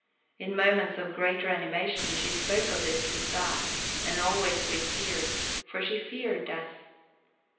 In moments of greater animation she spoke of this to Stas, and always with tears, for she feared death.